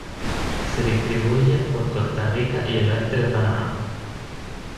Se distribuyen por Costa Rica y el oeste de Panamá.